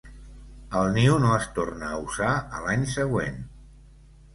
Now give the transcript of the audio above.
El niu no es torna a usar a l'any següent.